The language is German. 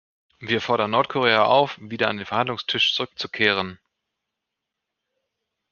Wir fordern Nordkorea auf, wieder an den Verhandlungstisch zurückzukehren.